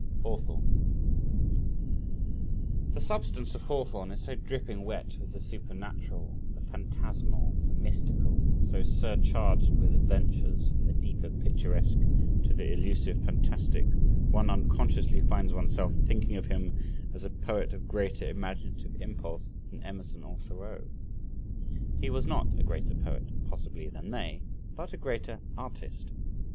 III Hawthorne The substance of Hawthorne is so dripping wet with the supernatural, the phantasmal, the mystical so surcharged with adventures, from the deeper picturesque to the illusive fantastic, one unconsciously finds oneself thinking of him as a poet of greater imaginative impulse than Emerson or Thoreau. He was not a greater poet possibly than they but a greater artist.